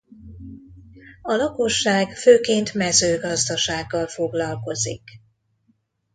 A lakosság főként mezőgazdasággal foglalkozik.